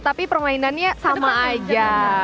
tapi permainannya sama aja